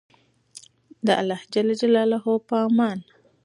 د پاک خدای په امان.